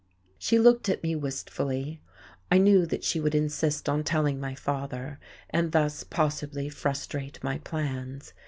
She looked at me wistfully.... I knew that she would insist on telling my father, and thus possibly frustrate my plans.